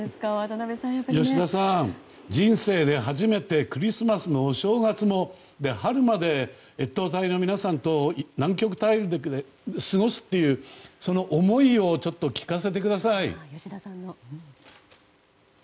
吉田さん、人生で初めてクリスマスもお正月も春まで、越冬隊の皆さんと南極大陸で過ごすというその思いを聞かせてください。